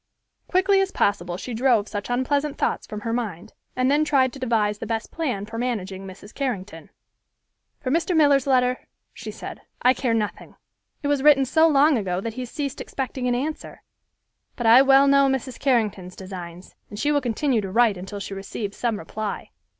Quickly as possible she drove such unpleasant thoughts from her mind, and then tried to devise the best plan for managing Mrs. Carrington. "For Mr. Miller's letter," said she, "I care nothing. It was written so long ago that he has ceased expecting an answer, but I well know Mrs. Carrington's designs, and she will continue to write until she receives some reply.